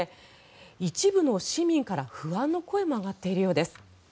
一部の市民から不安の声も上がっているようです。